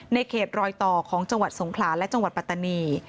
เขตรอยต่อของจังหวัดสงขลาและจังหวัดปัตตานี